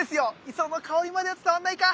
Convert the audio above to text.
磯の香りまでは伝わんないか。